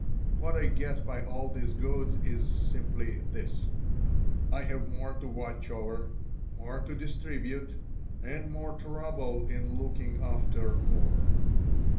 What I get by all these goods is simply this: I have more to watch over, more to distribute, and more trouble in looking after more.